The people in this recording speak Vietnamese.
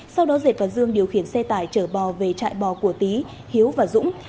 sau đó dệt và dương điều khiển xe tải chở bò về trại bò của tý hiếu và dũng